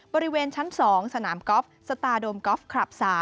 บริเวณชั้น๒สนามกอล์ฟสตาร์โดมกอล์ฟคลับ๓